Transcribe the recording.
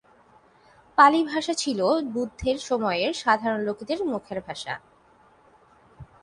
পালি ভাষা ছিল বুদ্ধের সময়ে সাধারণ লোকদের মুখের ভাষা।